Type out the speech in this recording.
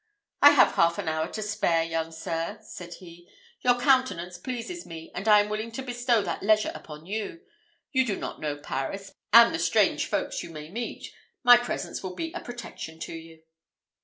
"I have half an hour to spare, young sir," said he; "your countenance pleases me, and I am willing to bestow that leisure upon you. You do not know Paris, and the strange folks you may meet; my presence will be a protection to you."